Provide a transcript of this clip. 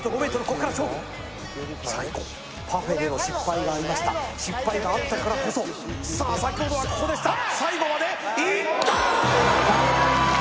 ここから勝負さあいこうパフェでの失敗がありました失敗があったからこそさあ先ほどはここでした最後までいったお見事！